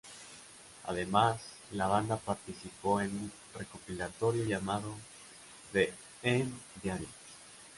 Además, la banda participó en un recopilatorio llamado The Emo Diaries.